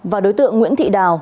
và đối tượng nguyễn thị đào